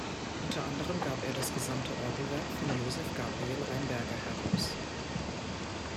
Unter anderem gab er das gesamte Orgelwerk von Josef Gabriel Rheinberger heraus.